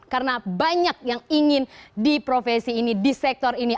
karena banyak yang ingin di profesi ini di sektor ini